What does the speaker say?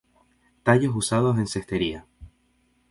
Tallos usados en cestería.